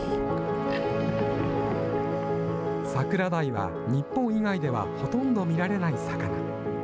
サクラダイは日本以外ではほとんど見られない魚。